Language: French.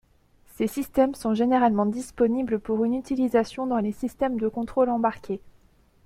Ces systèmes sont généralement disponibles pour une utilisation dans les systèmes de contrôle embarqués.